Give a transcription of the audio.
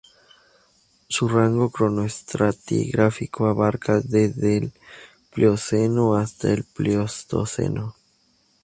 Su rango cronoestratigráfico abarca desde el Plioceno hasta el Pleistoceno.